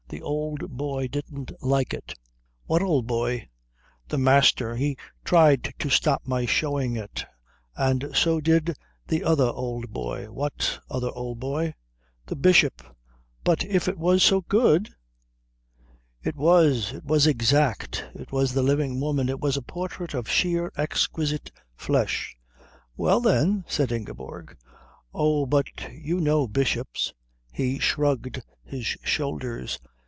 The old boy didn't like it." "What old boy?" "The Master. He tried to stop my showing it. And so did the other old boy." "What other old boy?" "The Bishop." "But if it was so good?" "It was. It was exact. It was the living woman. It was a portrait of sheer, exquisite flesh." "Well, then," said Ingeborg. "Oh, but you know bishops " He shrugged his shoulders.